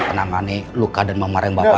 menangani luka dan memarahi bapak